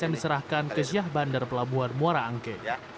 yang diserahkan ke syah bandar pelabuhan muara angke